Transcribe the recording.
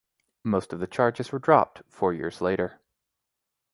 Most of the charges were dropped four years later.